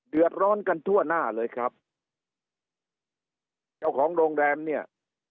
เดือดร้อนกันทั่วหน้าเลยครับเจ้าของโรงแรมเนี่ย